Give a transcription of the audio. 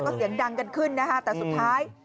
โปรดติดตามต่อไป